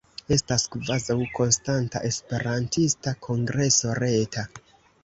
Estas kvazaŭ konstanta Esperantista Kongreso Reta.